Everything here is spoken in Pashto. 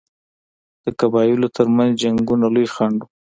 د قبایلو ترمنځ جنګونه لوی خنډ وو.